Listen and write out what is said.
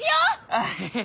アハハ。